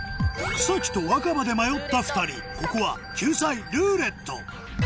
「くさき」と「わかば」で迷った２人ここは救済「ルーレット」